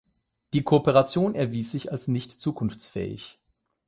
Die Kooperation erwies sich als nicht zukunftsfähig.